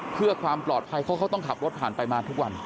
เพื่อความปลอดภัยเพราะเขาต้องขับรถผ่านไปมาทุกวัน